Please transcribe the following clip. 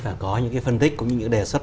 và có những cái phân tích cũng như những đề xuất